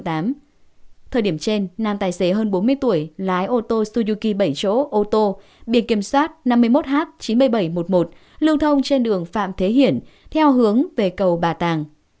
thời điểm trên nam tài xế hơn bốn mươi tuổi lái ô tô suki bảy chỗ ô tô biển kiểm soát năm mươi một h chín mươi nghìn bảy trăm một mươi một lưu thông trên đường phạm thế hiển theo hướng về cầu bà tàng